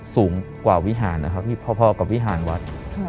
สูงกว่าวิหารนะครับพอกับวิหารวัด